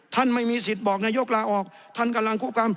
ไม่มีสิทธิ์บอกนายกลาออกท่านกำลังคุกกรรม